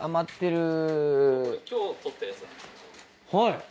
はい！